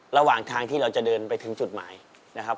ระหว่างทางที่เราจะเดินไปถึงจุดหมายนะครับ